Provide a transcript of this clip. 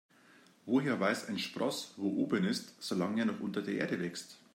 Woher weiß ein Spross, wo oben ist, solange er noch unter der Erde wächst?